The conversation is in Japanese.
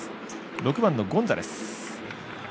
６番のゴンザレス。